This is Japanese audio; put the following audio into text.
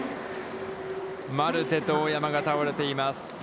マルテと大山が倒れています。